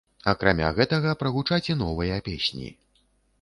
Акрамя гэтага прагучаць і новыя песні.